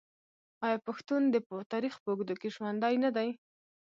آیا پښتون د تاریخ په اوږدو کې ژوندی نه دی؟